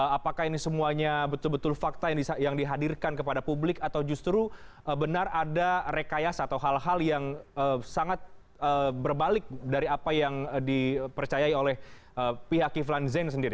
apakah ini semuanya betul betul fakta yang dihadirkan kepada publik atau justru benar ada rekayasa atau hal hal yang sangat berbalik dari apa yang dipercayai oleh pihak kiflan zain sendiri